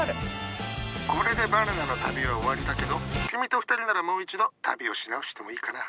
これでバナナの旅は終わりだけど君と２人ならもう一度旅をし直してもいいかな。